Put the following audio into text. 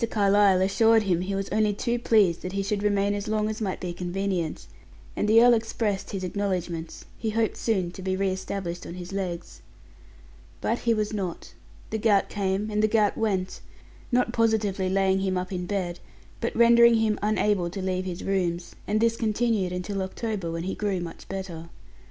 Carlyle assured him he was only too pleased that he should remain as long as might be convenient, and the earl expressed his acknowledgments; he hoped soon to be re established on his legs. But he was not. The gout came, and the gout went not positively laying him up in bed, but rendering him unable to leave his rooms; and this continued until October, when he grew much better.